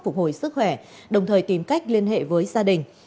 phục hồi sức khỏe đồng thời tìm cách liên hệ với gia đình